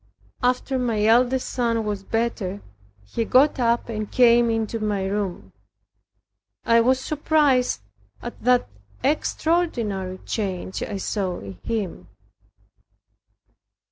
After my eldest son was better, he got up and came into my room. I was surprised at the extraordinary change I saw in him.